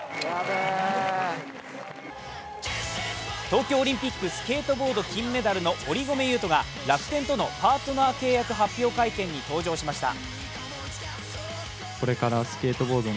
東京オリンピックスケートボード金メダルの堀米雄斗が楽天とのパートナー契約発表会見に登場しました。